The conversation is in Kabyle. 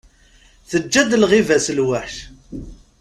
Teǧǧa-d lɣiba-s lweḥc.